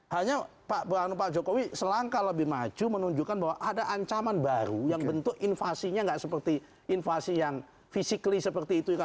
hanya pak jokowi selangkah lebih maju menunjukkan bahwa ada ancaman baru yang bentuk invasinya nggak seperti invasi yang physically seperti itu